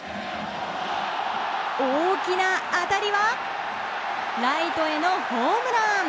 大きな当たりはライトへのホームラン。